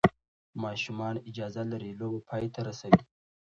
ماشومان اجازه لري لوبه پای ته ورسوي.